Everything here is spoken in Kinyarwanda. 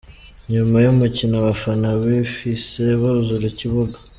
Nyuma y’umukino abafana bahise buzura ikibuga.